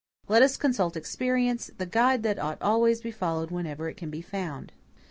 Let us consult experience, the guide that ought always to be followed whenever it can be found.